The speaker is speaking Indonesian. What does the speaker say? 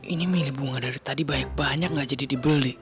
ini milih bunga dari tadi banyak banyak nggak jadi dibeli